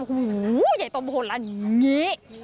โอ้โฮใหญ่ตมโภนแล้วอย่างนี้